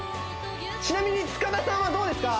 ちなみに塚田さんはどうですか？